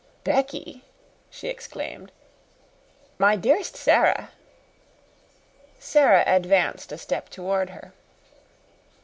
"Becky!" she exclaimed. "My dearest Sara!" Sara advanced a step toward her.